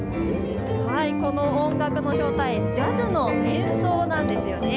この音楽の正体、ジャズの演奏なんです。